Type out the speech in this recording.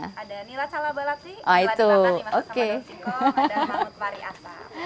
ada nila cala balatwi nila dibakar dimasak sama rinsikong dan manut mari asap